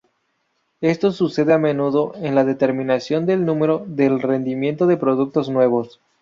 Esto sucede a menudo en la determinación del número del rendimiento de productos nuevos.